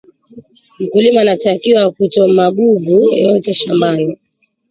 mkulima anatakiwa kuto magugu yote shambani